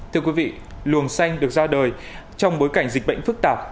thưa quý vị luồng xanh được ra đời trong bối cảnh dịch bệnh phức tạp